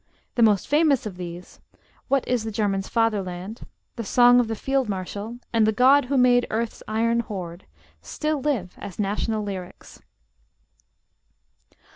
The most famous of these, 'What is the German's Fatherland?' 'The Song of the Field marshal,' and 'The God Who Made Earth's Iron Hoard,' still live as national lyrics.